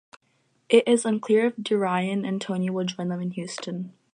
It is unclear if DuRyan and Tony will join them in Houston.